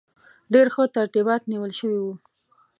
ډېر ښه ترتیبات نیول شوي وو.